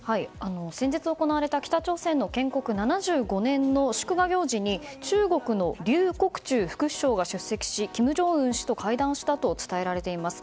先日行われた北朝鮮の建国７５年の祝賀行事に、中国のリュウ・コクチュウ副首相が出席し金正恩氏と会談したと伝えられています。